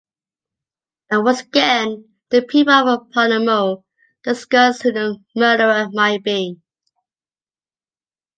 And once again the people of Palermo discuss who the murderer might be.